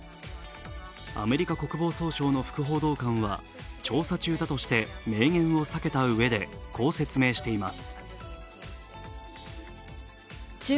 アメリカ国防総省の副報道官は調査中だとして明言を避けたうえでこう説明しています。